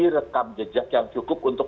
rekam jejak yang cukup untuk